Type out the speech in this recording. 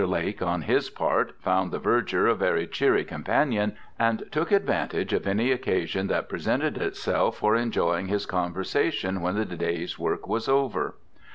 Lake, on his part, found the Verger a very cheery companion, and took advantage of any occasion that presented itself for enjoying his conversation when the day's work was over.